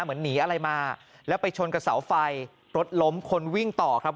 เหมือนหนีอะไรมาแล้วไปชนกับเสาไฟรถล้มคนวิ่งต่อครับ